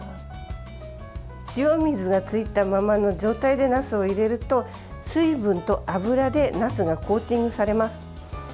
塩水がついたままの状態でなすを入れると、水分と油でなすがコーティングされます。